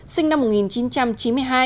sinh năm một nghìn chín trăm chín mươi hai